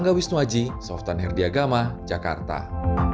semoga ini meminati dua ribu sembilan belas di negara yang penting